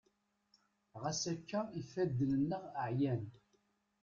ɣas akka ifadden-nneɣ ɛyan